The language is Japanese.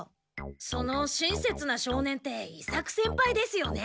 その親切な少年って伊作先輩ですよね？